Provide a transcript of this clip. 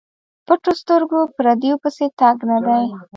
پټو سترګو پردیو پسې تګ نه دی.